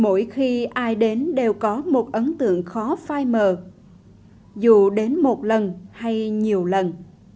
mỗi khi ai đến đều có một ấn tượng khó phai mờ dù đến một lần hay nhiều lần